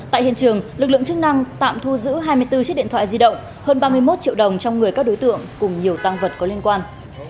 tại hiện trường lực lượng chức năng tạm thu giữ hai mươi bốn chiếc điện thoại di động hơn ba mươi một triệu đồng trong người các đối tượng cùng nhiều tăng vật có liên quan